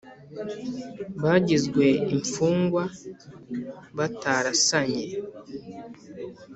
bagizwe imfungwa batarasanye.